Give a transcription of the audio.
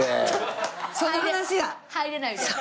入れないみたいな。